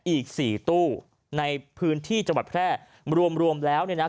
อีก๔ตู้ในพื้นที่จแพร่รวมแล้วนะ